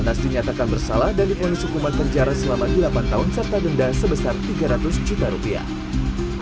anas dinyatakan bersalah dan diponis hukuman penjara selama delapan tahun serta denda sebesar tiga ratus juta rupiah